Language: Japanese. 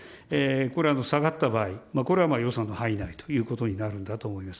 これ、下がった場合、これはまあ、予算の範囲内ということになるんだと思います。